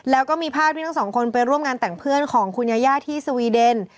แล้วก็มีภาพที่ทั้งสองคนไปร่วมงานแต่งเพื่อนของคุณยาย่าที่สวีเดน